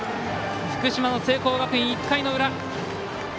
福島の聖光学院、１回の裏。